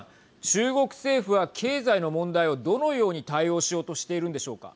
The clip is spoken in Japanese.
中国政府は経済の問題をどのように対応しようとしているんでしょうか。